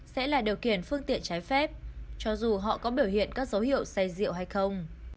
sẽ là điều khiển phương tiện trái phép cho dù họ có biểu hiện các dấu hiệu say rượu hay không